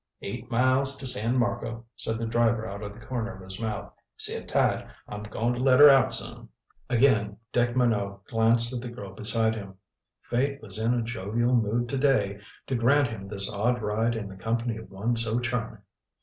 "Eight miles to San Marco," said the driver out of the corner of his mouth. "Sit tight. I'm going to let her out some." Again Dick Minot glanced at the girl beside him. Fate was in a jovial mood to day to grant him this odd ride in the company of one so charming!